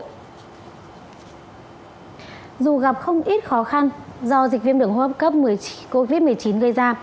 dù gặp không ít khó khăn do dịch viêm đường hô hấp cấp covid một mươi chín gây ra